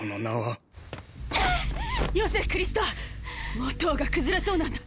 もう塔が崩れそうなんだ！